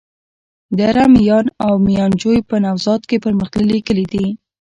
دره میان او ميانجوی په نوزاد کي پرمختللي کلي دي.